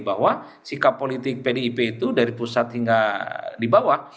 bahwa sikap politik pdip itu dari pusat hingga di bawah